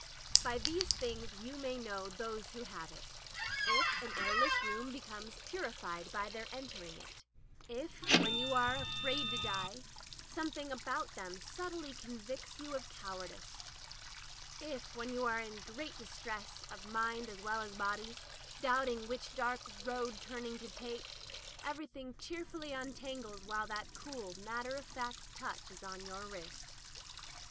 By these things you may know those who have it: if Digitized by LjOOQ IC Interventions an airless room becomes purified by their entering it; if, when you are afraid to die, something about them subtly convicts you of cowardice; if, when you are in great distress of mind as well as body, doubting which dark road turning to take, everything cheerfully untangles while that cool, matter of fact touch is on your wrist.